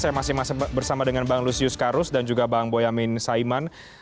saya masih bersama dengan bang lusius karus dan juga bang boyamin saiman